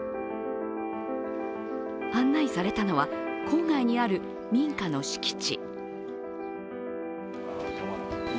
案内されたのは郊外にある民家の敷地。